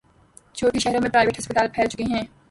چھوٹے شہروں میں پرائیویٹ ہسپتال پھیل چکے ہیں۔